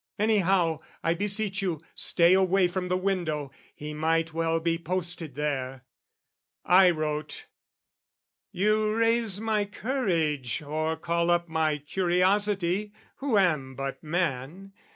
"Anyhow, I beseech you, stay away "From the window! He might well be posted there." I wrote "You raise my courage, or call up "My curiosity, who am but man.